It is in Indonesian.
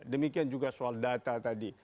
demikian juga soal data tadi